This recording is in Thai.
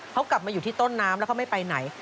เขากลับมาอยู่ที่ต้นน้ำแล้วเขาไม่ไปไหน